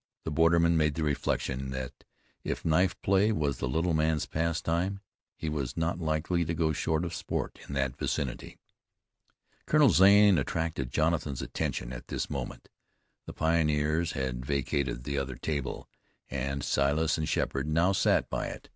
The borderman made the reflection, that if knife play was the little man's pastime, he was not likely to go short of sport in that vicinity. Colonel Zane attracted Jonathan's attention at this moment. The pioneers had vacated the other table, and Silas and Sheppard now sat by it.